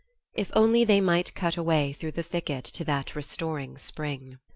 If only they might cut away through the thicket to that restoring spring!